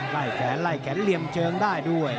ไล่แขนไล่แขนเหลี่ยมเชิงได้ด้วย